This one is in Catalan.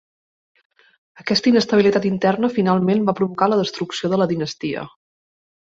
Aquesta inestabilitat interna finalment va provocar la destrucció de la dinastia.